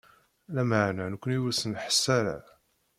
Lameɛna nekni ur s-nḥess ara.